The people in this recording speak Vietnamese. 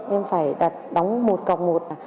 em phải đặt đóng một cọc một